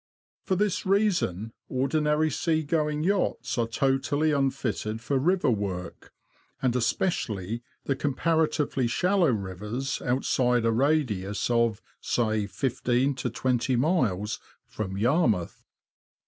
For this reason ordinary sea going yachts are totally unfitted for river work, and especially the comparatively shallow rivers outside a radius of, say, fifteen to twenty miles from Yarmouth.